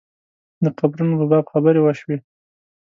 د قبرونو په باب خبرې وشوې.